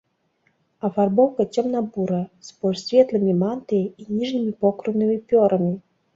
Афарбоўка цёмна-бурая, з больш светлымі мантыяй і ніжнімі покрыўнымі пёрамі.